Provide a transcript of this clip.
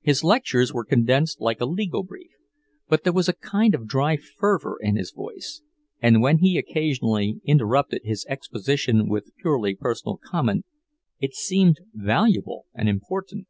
His lectures were condensed like a legal brief, but there was a kind of dry fervour in his voice, and when he occasionally interrupted his exposition with purely personal comment, it seemed valuable and important.